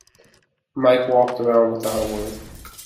Mike walked away without a word.